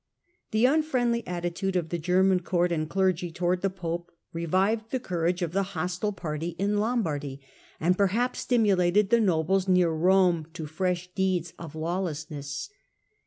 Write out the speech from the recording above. The unfriendly attitude of the German court and clergy towards the pope revived the courage of the Digitized by VjOOQIC 54 HiLDEBRANn hostile party in Lombardy, and perhaps stimulated the nobles near Rome to fresh deeds of lawlessness.